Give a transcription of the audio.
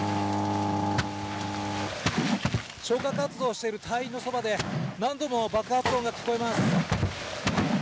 消火活動している隊員のそばで何度も爆発音が聞こえます。